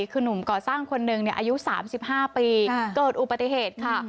คือหนุ่มก่อสร้างคนหนึ่งอายุ๓๕ปีเกิดอุปติเหตุค่ะ